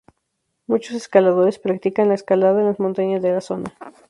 Muchos escaladores practican la escalada en las montañas de la zona.